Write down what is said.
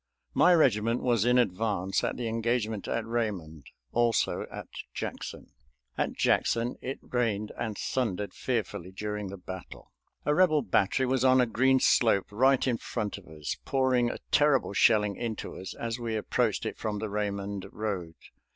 My regiment was in advance at the engagement at Raymond; also at Jackson. At Jackson it rained and thundered fearfully during the battle. A Rebel battery was on a green slope right in front of us, pouring a terrible shelling into us as we approached it from the Raymond road.